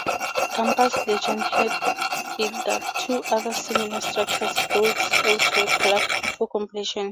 Campus legend had it that two other similar structures built elsewhere collapsed before completion.